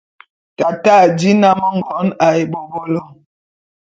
Tate a dí nnám ngon ā ebôbolo.